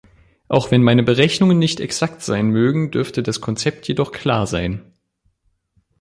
Auch wenn meine Berechnungen nicht exakt sein mögen, dürfte das Konzept jedoch klar sein.